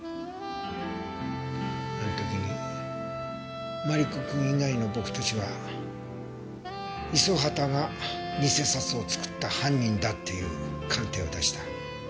あの時もマリコ君以外の僕たちは五十畑が偽札を作った犯人だっていう鑑定を出した。